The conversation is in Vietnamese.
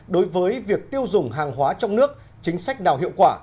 đối với việc tiêu dùng hàng hóa trong nước chính sách nào hiệu quả